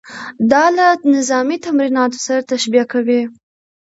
دا له نظامي تمریناتو سره تشبیه کوي.